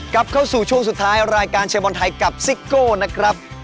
กลับเข้าสู่ช่วงสุดท้ายรายการเชียร์บอลไทยกับซิโก้นะครับ